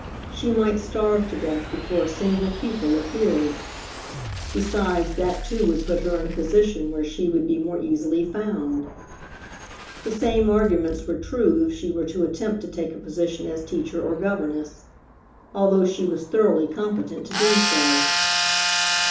She might starve to death before a single pupil appeared. Besides, that too would put her in a position where she would be more easily found. The same arguments were true if she were to attempt to take a position as teacher or governess, although she was thoroughly competent to do so.